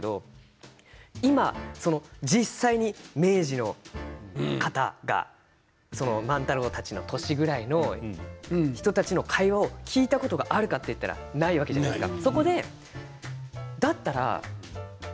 たくさんあると思うんですけど今、実際に明治の方が万太郎たちの年ぐらいの人たちの会話を聞いたことがあるかといったらないわけじゃないですか。